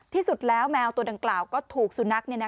ที่สุดแล้วแมวตัวดังกล่าวก็ถูกสุนัข